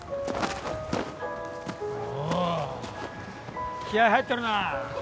おお気合い入ってるな。